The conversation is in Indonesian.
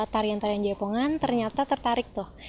tarian tarian jaipongan ternyata tertarik tuh